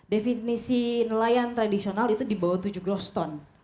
definisi nelayan tradisional itu di bawah tujuh gross ton